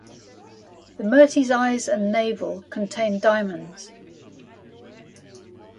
The murti's eyes and navel contain diamonds.